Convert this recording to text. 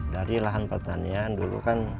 dari lahan pertanian dulu kan